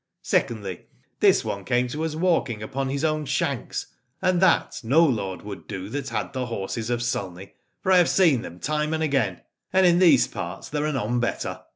Secondly, this one came to us walking upon his own shanks, and that no lord would do that had the horses of Sulney, for I have seen them time and again, and in these parts there are none better.